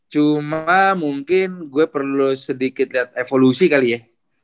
cuma mungkin gue perlu sedikit lihat evolusi kali ya